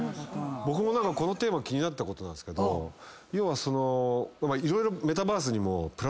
僕もこのテーマ気になったことなんですけど要は色々。